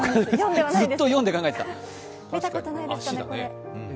ずっと４で考えてた。